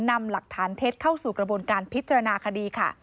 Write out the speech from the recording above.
นำหลักฐานเท็จเข้าสู่กระบวนการพิจารณาคดีค่ะ